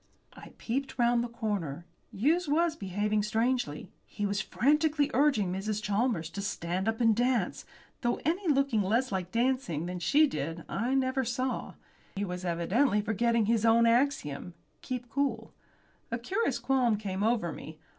I peeped round the corner. Hughes was behaving strangely. He was frantically urging Mrs. Chalmers to stand up and dance, though anyone looking less like dancing than she did I never saw. He was evidently forgetting his own axiom keep cool. A curious qualm came over me.